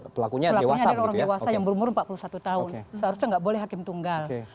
pelakunya adalah orang dewasa yang berumur empat puluh satu tahun seharusnya tidak boleh hakim tunggal